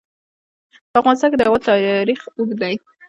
په افغانستان کې د هوا تاریخ اوږد دی.